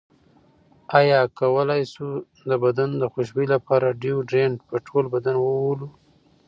ایا کولی شو د بدن خوشبویۍ لپاره ډیوډرنټ په ټول بدن ووهلو؟